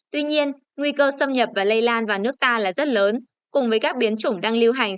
tuy nhiên nguy cơ xâm nhập và lây lan vào nước ta là rất lớn cùng với các biến chủng đang lưu hành